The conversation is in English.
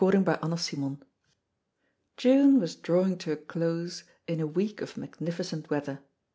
CHAPTER NINE June was drawing to a close in a week of magnificent weather.